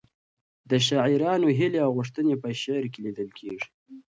د شاعرانو هیلې او غوښتنې په شعر کې لیدل کېږي.